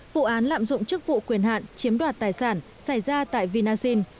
vụ án lạm dụng chức vụ quyền hạn chiếm đoạt tài sản xảy ra tại vinasin